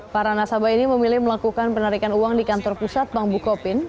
para nasabah ini memilih melakukan penarikan uang di kantor pusat bank bukopin